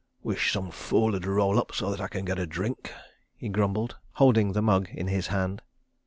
"Wish some fool'd roll up so that I can get a drink," he grumbled, holding the mug in his hand.